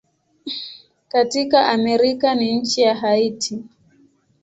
Katika Amerika ni nchi ya Haiti.